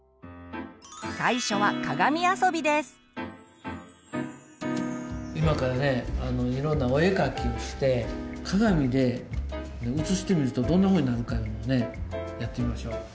最初は今からねいろんなお絵描きをして鏡でうつしてみるとどんなふうになるかやってみましょう。